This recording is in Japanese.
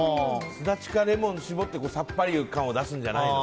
スダチかレモンを搾ってさっぱり感を出すんじゃないの？